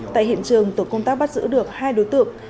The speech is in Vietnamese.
tại hiện trường tổ công tác bắt giữ được hai đối tượng